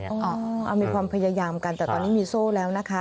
เอามีความพยายามกันแต่ตอนนี้มีโซ่แล้วนะคะ